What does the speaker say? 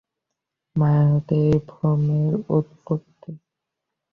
মায়া হইতে এই ভ্রমের উৎপত্তি।